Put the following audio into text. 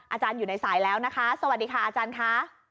อาจารย์อยู่ในสายแล้วนะคะสวัสดีค่ะอาจารย์ค่ะ